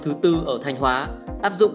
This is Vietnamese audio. thứ bốn ở thành hóa áp dụng